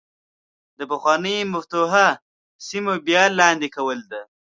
د پخوانو مفتوحه سیمو بیا لاندې کول ده.